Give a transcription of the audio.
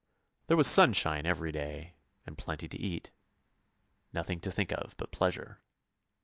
There was sunshine even day, and plenty :: e rt nothing to think of but pleasure!